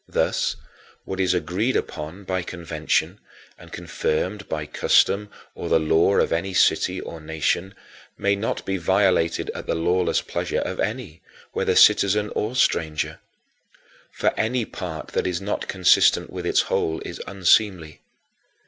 Thus, what is agreed upon by convention, and confirmed by custom or the law of any city or nation, may not be violated at the lawless pleasure of any, whether citizen or stranger. For any part that is not consistent with its whole is unseemly.